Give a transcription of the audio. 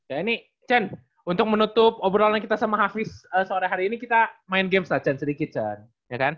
ya ini chen untuk menutup obrolan kita sama hafiz seore hari ini kita main games lah chen sedikit